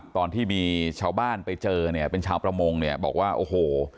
ตอนที่มีชาวบ้านไปเจอเนี่ยเป็นชาวประมงเนี่ยบอกว่าโอ้โห